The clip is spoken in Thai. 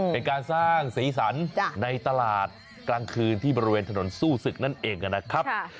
เป็นการสร้างสีสันในตลาดกลางคืนที่บริเวณถนนสู้ศึกนั่นเองนะครับ